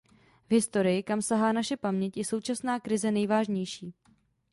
V historii, kam sahá naše paměť, je současná krize nejvážnější.